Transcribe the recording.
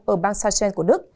ở bang sachsen của đức